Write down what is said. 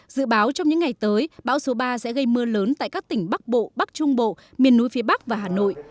dự báo trong những ngày tới bão số ba sẽ gây mưa lớn tại các tỉnh bắc bộ bắc trung bộ miền núi phía bắc và hà nội